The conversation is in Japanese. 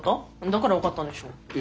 だから分かったんでしょ。